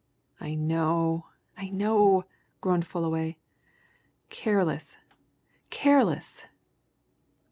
"I know I know!" groaned Fullaway. "Careless careless!"